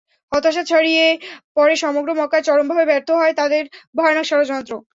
হতাশা ছড়িয়ে পড়ে সমগ্র মক্কায়, চরমভাবে ব্যর্থ হয় তাদের ভয়ানক ষড়যন্ত্র।